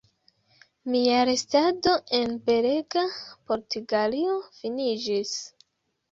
Mia restado en belega Portugalio finiĝis.